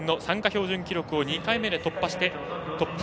標準記録を２回目で突破して、トップ。